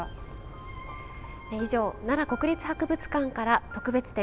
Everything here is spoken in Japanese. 以上、奈良国立博物館から特別展